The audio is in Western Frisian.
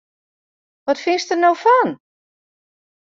Wat fynst dêr no fan!